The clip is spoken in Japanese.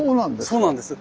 そうなんです。